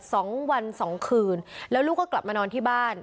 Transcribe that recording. สองวันสองคืนแล้วลูกก็กลับมานอนที่บ้าน